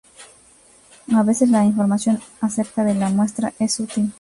A veces más información acerca de la muestra es útil.